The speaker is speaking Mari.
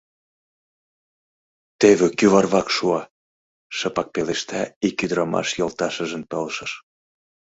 — Теве кӱварвак шуа! — шыпак пелешта ик ӱдырамаш йолташыжын пылышыш.